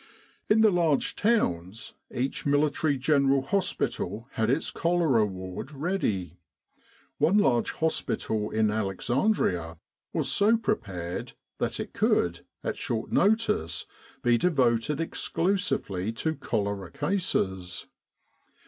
In the large towns each military General Hospital had its cholera ward ready. One large hospital in Alexandria was, so prepared that it could, at short notice, be devoted exclusively to cholera cases.